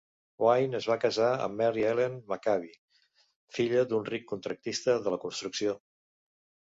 Wynne es va casar amb Mary Ellen McCabe, filla d'un ric contractista de la construcció.